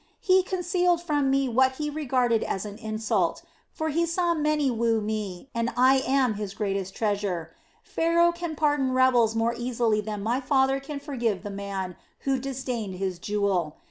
He concealed from me what he regarded as an insult; for he saw many woo me, and I am his greatest treasure. Pharaoh can pardon rebels more easily than my father can forgive the man who disdained his jewel.